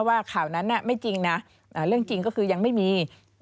ว่าข่าวนั้นไม่จริงนะเรื่องจริงก็คือยังไม่มี